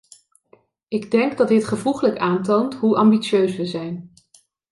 Ik denk dat dit gevoegelijk aantoont hoe ambitieus we zijn.